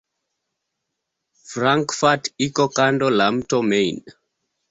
Frankfurt iko kando la mto Main.